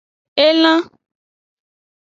Elan.